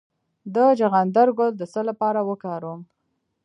د چغندر ګل د څه لپاره وکاروم؟